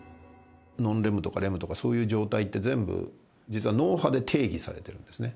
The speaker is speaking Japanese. ノンレムとか、レムとか、そういう状態って、全部実は脳波で定義されてるんですね。